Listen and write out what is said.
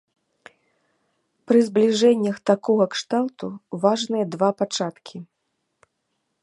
Пры збліжэннях такога кшталту важныя два пачаткі.